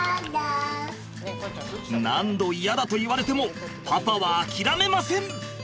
何度「イヤだ」と言われてもパパは諦めません！